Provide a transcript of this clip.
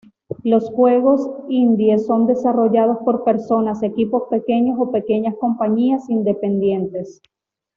Los juegos indie son desarrollados por personas, equipos pequeños, o pequeñas compañías independientes.